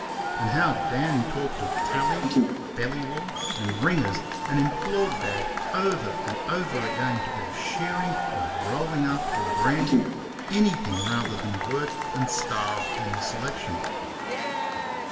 And how Dan talked of "tallies", "belly wool", and "ringers" and implored Dad, over and over again, to go shearing, or rolling up, or branding ANYTHING rather than work and starve on the selection.